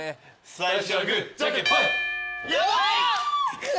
最初はグーじゃんけんぽい。